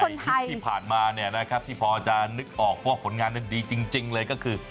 ยุคที่ผ่านมาเนี่ยนะครับที่พอจะนึกออกว่าผลงานนั้นดีจริงเลยก็คือ